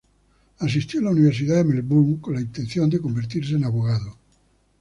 Asistió a la Universidad de Melbourne, con la intención de convertirse en abogado.